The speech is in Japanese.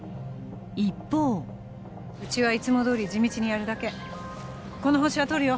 一方うちはいつもどおり地道にやるだけこのホシはとるよ